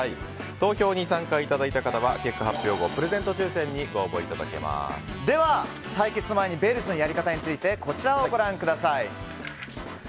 投票に参加いただいた方は結果発表後、プレゼント抽選にでは、対決の前にＢＥＬＬＺ！のやり方についてこちらをご覧ください。